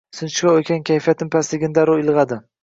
Sinchkov ekan kayfiyatim pastligini darrov ilg’adi.